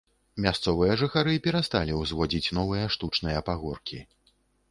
Мясцовыя жыхары перасталі ўзводзіць новыя штучныя пагоркі.